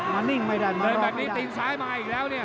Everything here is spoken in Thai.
แบบนี้ติดซ้ายมาอีกแล้วเนี่ย